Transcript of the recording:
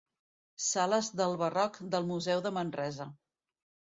Sales del Barroc del Museu de Manresa.